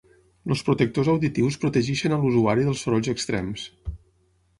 Els protectors auditius protegeixen a l'usuari dels sorolls extrems.